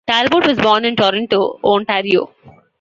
Talbot was born in Toronto, Ontario.